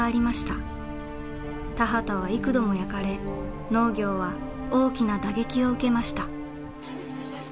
田畑は幾度も焼かれ農業は大きな打撃を受けました。